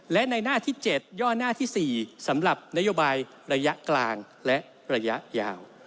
และในหน้าที่๗ย่อหน้าที่๔สำหรับนโยบายระยะกลางและระยะยาว